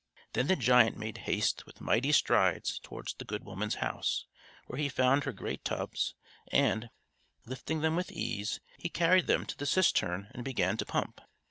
Then the giant made haste with mighty strides towards the good woman's house, where he found her great tubs; and, lifting them with ease, he carried them to the cistern and began to pump.